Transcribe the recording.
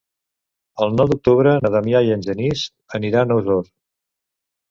El nou d'octubre na Damià i en Genís aniran a Osor.